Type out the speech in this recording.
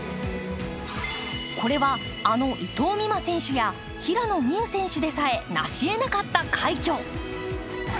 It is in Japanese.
これは、あの伊藤美誠選手や平野美宇選手でさえなしえなかった快挙。